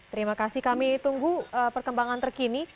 terima kasih kami tunggu perkembangan terkini